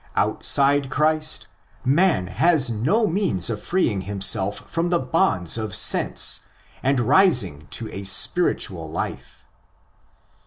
Outside Christ, man has no means of freeing himself from the bonds of sense and rising to a "' spiritual "' life.